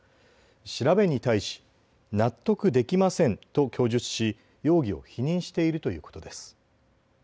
調べに対し納得できませんと供述し容疑を否認しているということです。